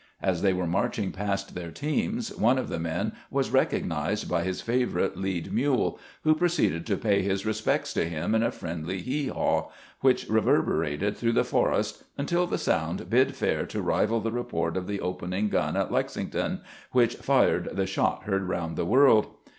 As they were marching past their teams, one of the men was recognized by his favorite " lead " mide, who pro 76 CAMPAIGNING WITH GRANT ceeded to pay his respects to Mm in a friendly heehaw, which reverberated through the forest until the sound bid fair to rival the report of the opening gun at Lex ington, which fired the " shot heard round the world."